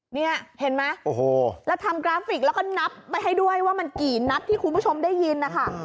นี่เห็นไหมโอ้โหแล้วทำกราฟิกแล้วก็นับไปให้ด้วยว่ามันกี่นัดที่คุณผู้ชมได้ยินนะคะ